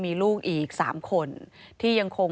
พบหน้าลูกแบบเป็นร่างไร้วิญญาณ